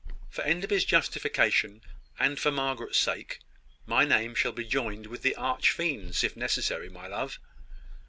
"For Enderby's justification, and for Margaret's sake, my name shall be joined with the arch fiend's, if necessary, my love.